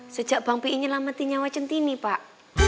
sejak bang pihnya lama tinyawa centini pak